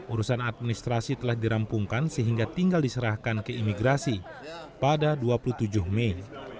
urusan administrasi telah dirampungkan sehingga tinggal diserahkan ke imigrasi pada dua puluh tujuh mei